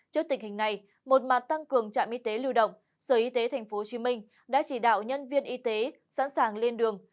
trước tình hình này một mặt tăng cường trạm y tế lưu động sở y tế tp hcm đã chỉ đạo nhân viên y tế sẵn sàng lên đường